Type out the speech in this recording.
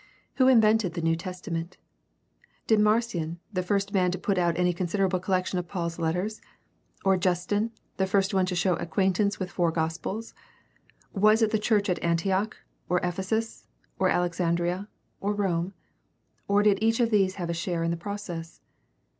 Who invented the New Testament? Did Mar cion, the first man to put out any considerable collection of Paul's letters ? Or Justin, the first one to show acquaintance with four gospels ? Was it the church at Antioch, or Ephesus, or Alexandria, or Rome ? Or did each of these have a share in the process